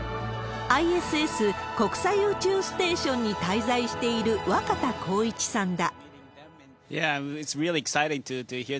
ＩＳＳ・国際宇宙ステーションに滞在している若田光一さんだ。